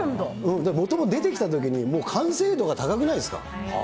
もともと出てきたときにもう完成度が高くないですか？